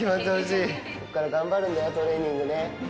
ここから頑張るんだよ、トレーニングね。